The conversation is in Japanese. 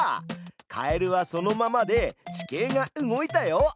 カエルはそのままで地形が動いたよ！